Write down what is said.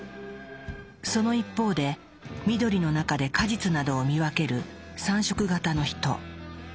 その一方で緑の中で果実などを見分ける３色型のヒト。